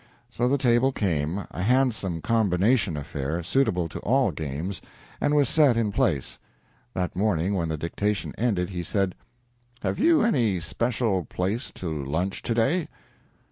So the table came a handsome combination affair, suitable to all games and was set in place. That morning when the dictation ended he said: "Have you any special place to lunch, to day?"